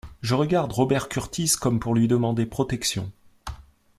Je regarde Robert Kurtis comme pour lui demander protection.